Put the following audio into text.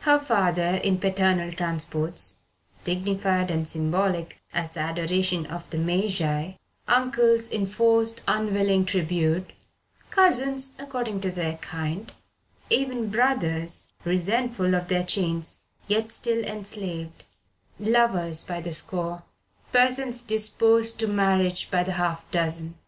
Her father in paternal transports dignified and symbolic as the adoration of the Magi, uncles in forced unwilling tribute, cousins according to their kind, even brothers, resentful of their chains yet still enslaved, lovers by the score, persons disposed to marriage by the half dozen.